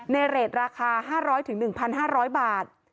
ในเรทราคา๕๐๐ถึง๑๕๐๐บาท